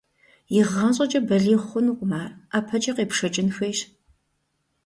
Игъащӏэкӏэ балигъ хъунукъым ар, ӀэпэкӀэ къепшэкӀын хуейщ.